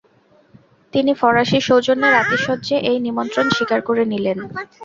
তিনি ফরাসী সৌজন্যের আতিশয্যে এই নিমন্ত্রণ স্বীকার করে নিলেন।